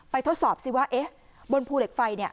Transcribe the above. ไปทดสอบสิว่าบนภูเหล็กไฟ